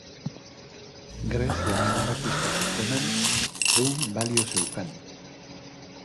Greziar zenbakizko sisteman ehun balioa zeukan.